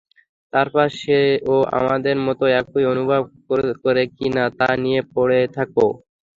তারপর সে-ও আমাদের মতো একই অনুভব করে কি না তা নিয়ে পড়ে থাকা।